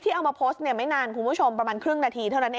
เอามาโพสต์ไม่นานคุณผู้ชมประมาณครึ่งนาทีเท่านั้นเอง